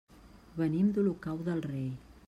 Venim d'Olocau del Rei.